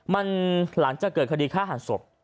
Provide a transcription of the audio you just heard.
มันหลังจากเกิดคดีฆ่าหันศพ